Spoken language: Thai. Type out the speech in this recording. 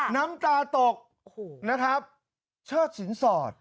น้ำตาตกนะครับเชิดสินสอด